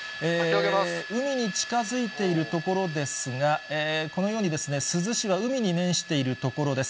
海に近づいているところですが、このように、珠洲市は海に面している所です。